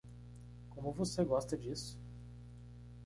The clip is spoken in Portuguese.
Como você gosta disso?